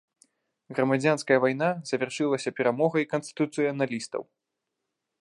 Грамадзянская вайна завяршылася перамогай канстытуцыяналістаў.